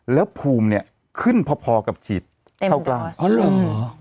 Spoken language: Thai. แล้วภูมิเนี่ยขึ้นพอกับฉีดเข้ากล้าม